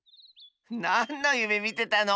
なんのゆめみてたの？